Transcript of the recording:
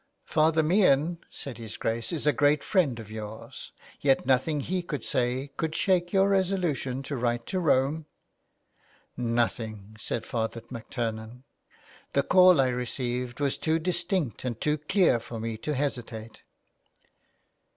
*' Father Meehan," said his Grace, '* is a great friend of yours. Yet nothing he could say could shake your resolution to write to Rome ?"" Nothing," said Father MacTurnan. " The call I received was too distinct and too clear for me to hesitate."